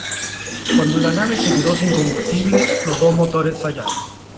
Cuando la nave se quedó sin combustible, los dos motores fallaron.